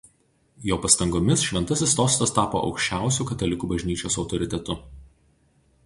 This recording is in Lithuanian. Jo pastangomis Šventasis Sostas tapo aukščiausiu Katalikų bažnyčios autoritetu.